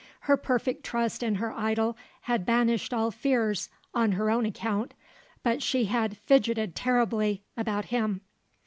Her perfect trust in her idol had banished all fears on her own account, but she had "fidgeted terribly" about him.